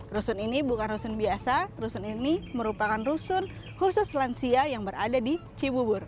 rusun ini bukan rusun biasa rusun ini merupakan rusun khusus lansia yang berada di cibubur